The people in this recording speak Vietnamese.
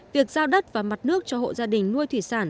việc giao đất và mặt nước cho hộ gia đình nuôi thủy sản